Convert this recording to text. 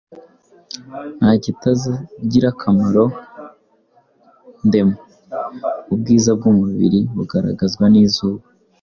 nta kitagira akamaro ndema! Ubwiza bw’umubiri bugaragazwa n’izuba,